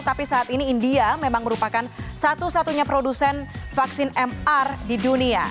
tapi saat ini india memang merupakan satu satunya produsen vaksin mr di dunia